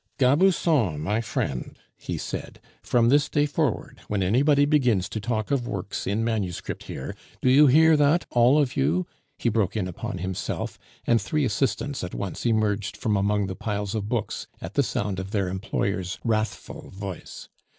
"Gabusson, my friend," he said, "from this day forward, when anybody begins to talk of works in manuscript here Do you hear that, all of you?" he broke in upon himself; and three assistants at once emerged from among the piles of books at the sound of their employer's wrathful voice.